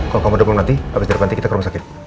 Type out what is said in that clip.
kalau kamu demam nanti abis dari nanti kita ke rumah sakit